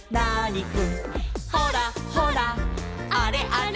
「ほらほらあれあれ」